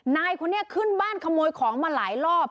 นายคนนี้ขึ้นบ้านขโมยของมาหลายรอบ